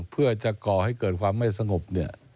เพื่อจะก่อให้เกิดความไม่สงบ